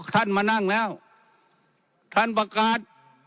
ท่านมานั่งแล้วท่านประกาศ